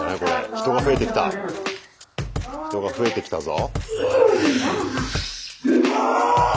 人が増えてきた人が増えてきたぞ。